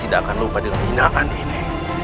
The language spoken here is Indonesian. tidak akan lupa dengan hinaan ini